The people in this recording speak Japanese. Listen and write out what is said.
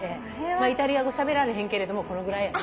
イタリア語しゃべられへんけれどもこのぐらい。